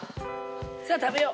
さぁ食べよう。